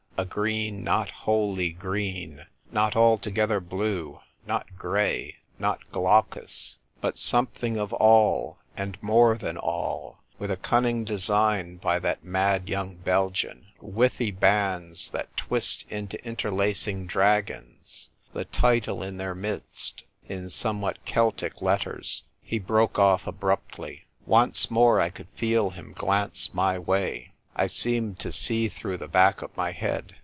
A green not wholly green, not altogether blue, not grey, not glaucous, but something of all, and more than all; with a cunning design by that mad young Belgian — withy bands that twist into interlacing dragons ; the title in their midst, in some v/hat Celtic letters." He broke off abruptly. Once more I could feel him glance my way. I seemed to see through the back of my head.